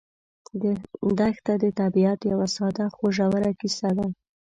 دښته د طبیعت یوه ساده خو ژوره کیسه ده.